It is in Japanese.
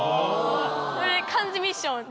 これで「漢字ミッション」。